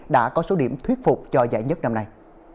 đã có số điểm thuyết phục cho giải nhất năm nay